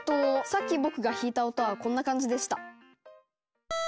さっき僕が弾いた音はこんな感じでした。